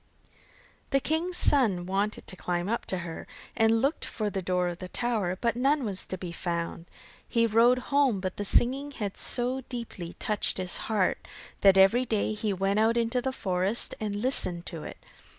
The king's son wanted to climb up to her, and looked for the door of the tower, but none was to be found. He rode home, but the singing had so deeply touched his heart, that every day he went out into the forest and listened to it.